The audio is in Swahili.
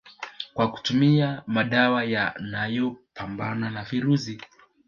kwa kutumia madawa ya yanayopambana na virusi